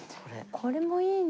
これもいいね。